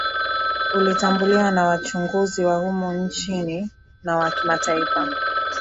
Ulitambuliwa na wachunguzi wa humu nchini na wa kimataifa